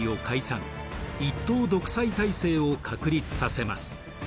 一党独裁体制を確立させます。